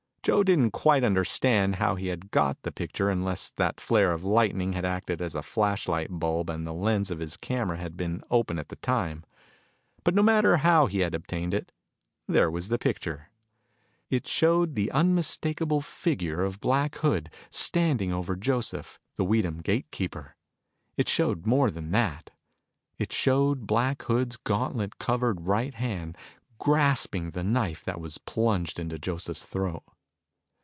Joe didn't quite understand how he had got the picture unless that flare of lightning had acted as a flashlight bulb and the lens of his camera had been open at the time. But no matter how he had obtained it, there was the picture. It showed the unmistakable figure of Black Hood standing over Joseph, the Weedham gate keeper. It showed more than that. It showed Black Hood's gauntlet covered right hand grasping the knife that was plunged into Joseph's throat.